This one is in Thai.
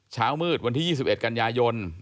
เช้ามืดวันที่๒๑กันยายน